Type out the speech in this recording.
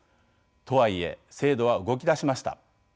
とはいえ制度は動き出しました。